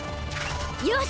よし！